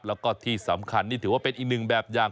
แล้วก็ที่สำคัญนี่ถือว่าเป็นอีกหนึ่งแบบอย่าง